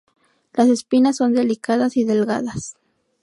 Las espinas son delicadas y delgadas.